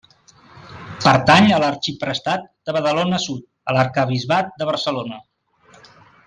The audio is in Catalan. Pertany a l'arxiprestat de Badalona sud, a l'arquebisbat de Barcelona.